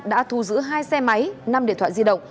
đã thu giữ hai xe máy năm điện thoại di động